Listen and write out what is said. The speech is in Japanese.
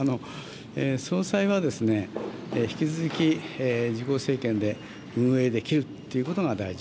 総裁は、引き続き自公政権で運営できるということが大事。